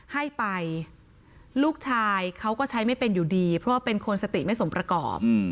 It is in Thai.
ให้ไปลูกชายเขาก็ใช้ไม่เป็นอยู่ดีเพราะว่าเป็นคนสติไม่สมประกอบ